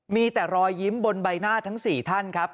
มีแต่รอยยิ้มบนใบหน้าทั้ง๔ท่านครับ